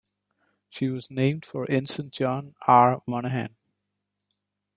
She was named for Ensign John R. Monaghan.